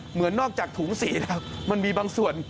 เหมือนนอกจากถุงสีแล้วมันมีบางส่วน